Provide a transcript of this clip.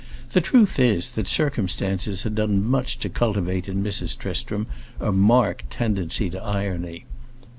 The truth is that circumstances had done much to cultivate in Mrs. Tristram a marked tendency to irony.